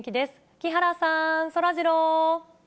木原さん、そらジロー。